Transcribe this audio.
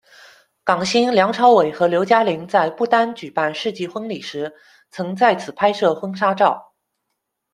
港星梁朝伟和刘嘉玲在不丹举办世纪婚礼时，曾在此拍摄婚纱照。